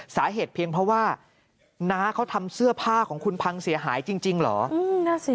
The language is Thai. สาเหตุเพียงเพราะว่าน้าเขาทำเสื้อผ้าของคุณพังเสียหายจริงเหรอ